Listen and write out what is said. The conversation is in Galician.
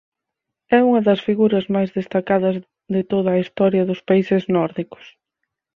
É unha das figuras máis destacadas de toda a historia dos países nórdicos.